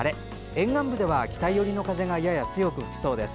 沿岸部では北寄りの風がやや強く吹きそうです。